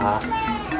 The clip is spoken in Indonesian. katanya mas soha